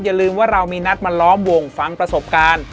อย่าลืมว่าเรามีนัดมาล้อมวงฟังประสบการณ์